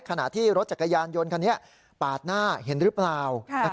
ขณะที่รถจักรยานยนต์คันนี้ปาดหน้าเห็นหรือเปล่า